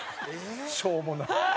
しょうもない。